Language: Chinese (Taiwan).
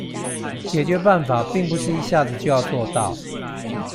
解決辦法並不是一下子就要做到